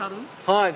はい。